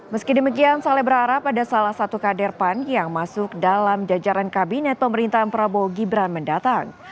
meski demikian saleh berharap ada salah satu kader pan yang masuk dalam jajaran kabinet pemerintahan prabowo gibran mendatang